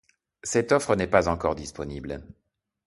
Cette offre n'est pas encore disponible.